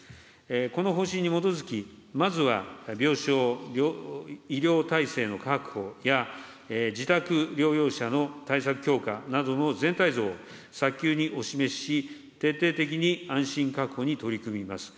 この方針に基づき、まずは病床、医療体制の確保や、自宅療養者の対策強化などの全体像を早急にお示しし、徹底的に安心確保に取り組みます。